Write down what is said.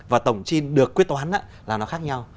và tổng chi được quyết toán là nó khác nhau